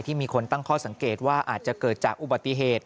มีคนตั้งข้อสังเกตว่าอาจจะเกิดจากอุบัติเหตุ